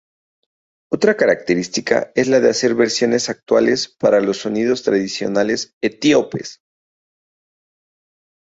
Otra característica es la de hacer versiones actuales para los sonidos tradicionales etíopes.